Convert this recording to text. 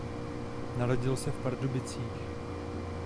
Narodil se v Pardubicích.